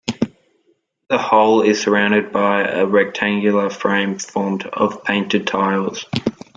The whole is surrounded by a rectangular frame formed of painted tiles.